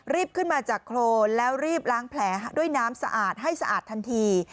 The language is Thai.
ขึ้นมาจากโครนแล้วรีบล้างแผลด้วยน้ำสะอาดให้สะอาดทันที